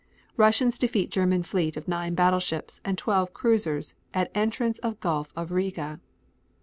Russians defeat German fleet of 9 battleships and 12 cruisers at entrance of Gulf of Riga.